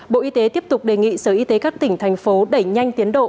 bộ y tế tiếp tục đề nghị sở y tế các tỉnh thành phố đẩy nhanh tiến độ